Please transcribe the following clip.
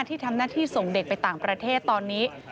ที่ทำหน้าที่ส่งเด็กไปต่างประเทศตอนนี้